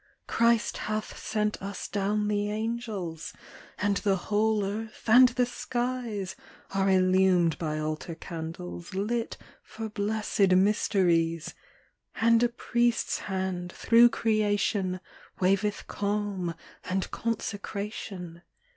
Christ hath sent us down the angels; And the whole earth and the skies Are illumed by altar candles TRUTH. 35 Lit for blessed mysteries ; And a Priest's Hand, through creation, Waveth calm and consecration.